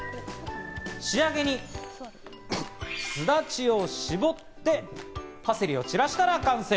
仕上げにすだちを搾ってパセリを散らしたら完成。